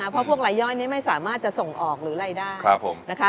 เพราะพวกรายย่อยนี้ไม่สามารถจะส่งออกหรือรายได้